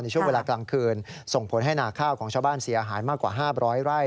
ช่วงเวลากลางคืนส่งผลให้นาข้าวของชาวบ้านเสียหายมากกว่า๕๐๐ไร่